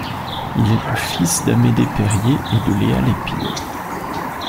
Il est le fils d'Amédée Perrier, et de Léa Lépine.